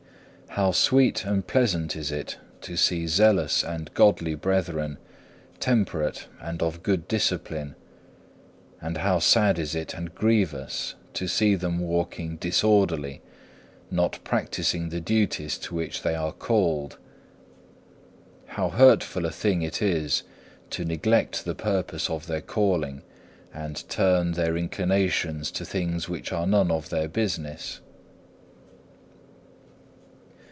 How sweet and pleasant is it to see zealous and godly brethren temperate and of good discipline; and how sad is it and grievous to see them walking disorderly, not practising the duties to which they are called. How hurtful a thing it is to neglect the purpose of their calling, and turn their inclinations to things which are none of their business.